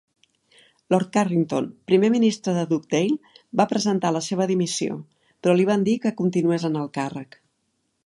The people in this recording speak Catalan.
Lord Carrington, primer ministre de Dugdale, va presentar la seva dimissió, però li van dir que continués en el càrrec.